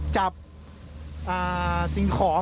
จับสินของ